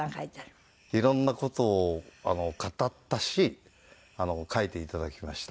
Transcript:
いろんな事を語ったし書いていただきました。